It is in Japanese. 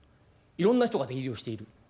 いろんな人が出入りをしている。